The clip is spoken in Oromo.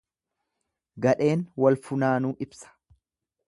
Gadheen wal funaanuu ibsa.